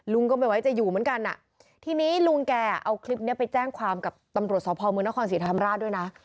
ก็ไม่ไหวจะอยู่เหมือนกันอ่ะทีนี้ลุงแกเอาคลิปนี้ไปแจ้งความกับตำรวจสพมนครศรีธรรมราชด้วยนะ